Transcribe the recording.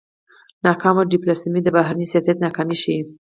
ناکامه ډيپلوماسي د بهرني سیاست ناکامي ښيي.